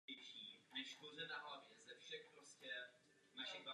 Do svých sedmi let vyrůstal u své matky Isabely se svými sestrami.